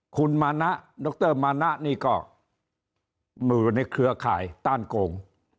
คุณมานะดรมานะนี่ก็มือในเครือข่ายต้านโกง